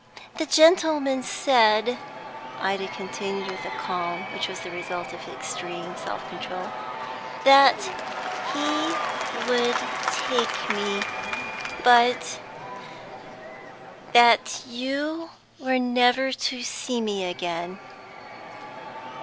"The gentleman said," Ida continued, with calm which was the result of extreme self control, "that he would take me; but that you were never to see me again."